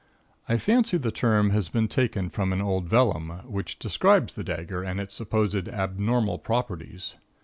I fancy the term has been taken from an old vellum, which describes the dagger and its supposed abnormal properties.